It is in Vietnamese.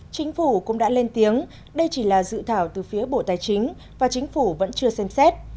chính phủ cũng đã lên tiếng đây chỉ là dự thảo từ phía bộ tài chính và chính phủ vẫn chưa xem xét